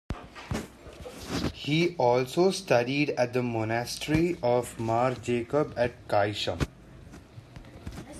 He also studied at the Monastery of Mar Jacob at Kayshum.